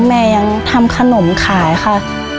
แม่ยังทำขนมขายค่ะ